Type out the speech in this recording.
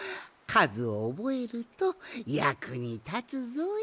かずをおぼえるとやくにたつぞい。